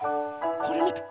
これみて。